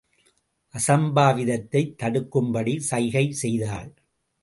அசம்பாவிதத்தைத் தடுக்கும்படி சைகை செய்தாள்.